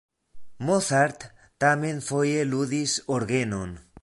Mozart tamen foje ludis orgenon.